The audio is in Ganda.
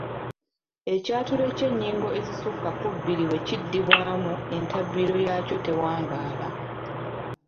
Ekyatulo eky’ennyingo ezisukka ku bbiri bwe kiddibwamu entabiro yaakyo tewangaala.